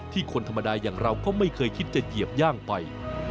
คนธรรมดาอย่างเราก็ไม่เคยคิดจะเหยียบย่างไป